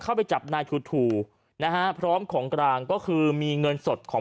เข้าไปจับนายถูถูนะฮะพร้อมของกลางก็คือมีเงินสดของ